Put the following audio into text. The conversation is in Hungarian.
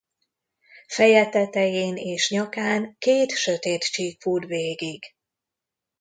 Feje tetején és nyakán két sötét csík fut végig.